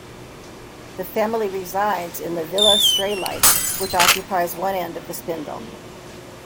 The family resides in the Villa Straylight, which occupies one end of the spindle.